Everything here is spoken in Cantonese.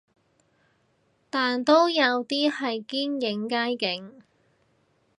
但都有啲係堅影街景